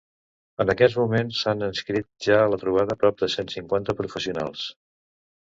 En aquests moments, s’han inscrit ja a la trobada prop de cent cinquanta professionals.